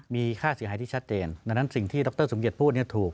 มีค่าเสียหายที่ชัดเจนดังนั้นสิ่งที่ดรสมเกียจพูดเนี่ยถูก